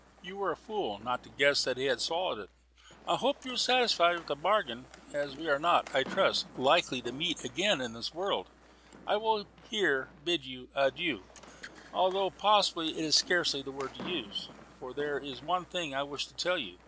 "You were a fool not to guess that he had swallowed it. I hope you are satisfied with the bargain. As we are not, I trust, likely to meet again in this world, I will here bid you Adieu, though possibly that is scarcely the word to use. But there is one thing I wish to tell you.